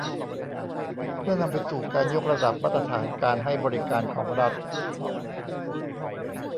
เพื่อนำไปสู่การยกระดับมาตรฐานการให้บริการของรัฐ